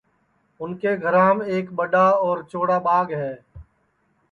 اُن کے گھرام ایک ٻڈؔا اور چوڑا ٻاگ ہے